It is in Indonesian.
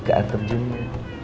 ke r terjunnya